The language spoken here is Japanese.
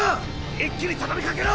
一気に畳みかけろ！